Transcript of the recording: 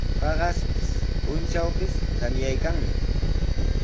Paqaspis, puntrawpis tamyaykanmi.